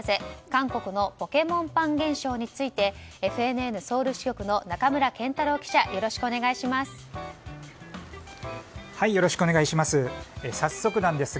韓国のポケモンパン現象についてＦＮＮソウル支局の仲村健太郎記者よろしくお願いします。